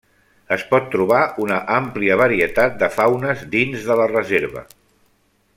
Es pot trobar una àmplia varietat de faunes dins de la reserva.